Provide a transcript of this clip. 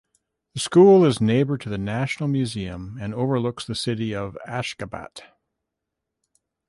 The school is neighbor to the National Museum and overlooks the city of Ashgabat.